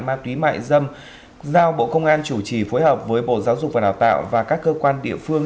ma túy mại dâm giao bộ công an chủ trì phối hợp với bộ giáo dục và đào tạo và các cơ quan địa phương